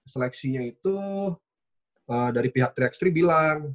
seleksinya itu dari pihak tiga x tiga bilang